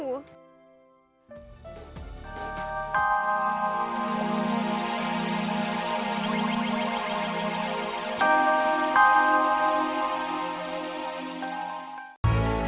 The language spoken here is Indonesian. aku mau pergi